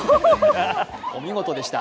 お見事でした。